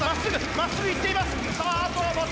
まっすぐ行っています。